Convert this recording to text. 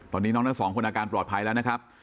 ตอนนี้น้องทั้งสองคนอาการปลอดภัยแล้วนะครับ